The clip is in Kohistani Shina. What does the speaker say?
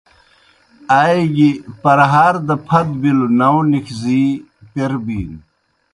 آئے گیْ پرہار دہ پَھت بِلوْ ناؤں نِکھزی پیر بِینوْ۔